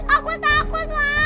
aku takut mama